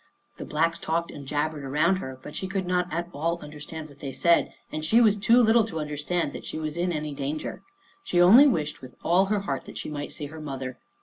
The Blacks talked and jabbered around her, but she could not at all understand what they said, and she was too little to understand that she was in any danger. She only wished with all her heart that she might see her mother.